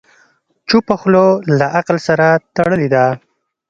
چپه خوله، له عقل سره تړلې ده.